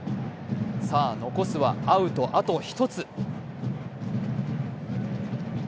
さあ、残すはアウトあと１つ。